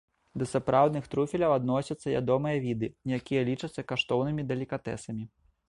Да сапраўдных труфеляў адносяцца ядомыя віды, якія лічацца каштоўнымі далікатэсамі.